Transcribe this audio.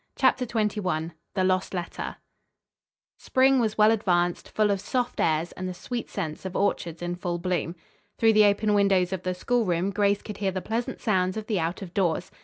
CHAPTER XXI THE LOST LETTER Spring was well advanced, full of soft airs and the sweet scents of orchards in full bloom. Through the open windows of the schoolroom Grace could hear the pleasant sounds of the out of doors.